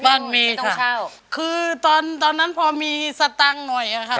บ้านมีต้องเช่าคือตอนตอนนั้นพอมีสตังค์หน่อยอะค่ะ